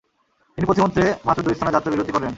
তিনি পথিমধ্যে মাত্র দুই স্থানে যাত্রাবিরতি করেন।